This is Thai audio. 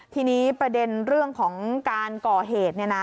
ทีนี้ประเด็นเรื่องของการก่อเหตุ